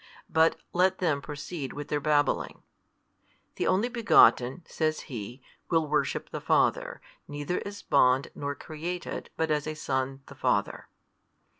But let them proceed with their babbling: "The Only Begotten (says he) will worship the Father, neither as bond nor created, but as a Son the Father."